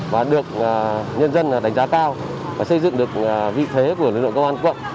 và được nhân dân đánh giá cao và xây dựng được vị thế của lực lượng công an quận